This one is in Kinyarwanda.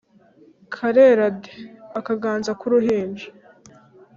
Karera de !!-Akaganza k'urujinja.